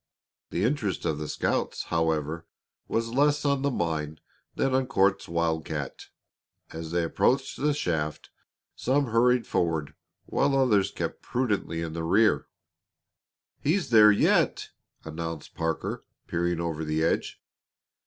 The interest of the scouts, however, was less on the mine than on Court's "wildcat." As they approached the shaft some hurried forward while others kept prudently in the rear. "He's there yet!" announced Parker, peering over the edge.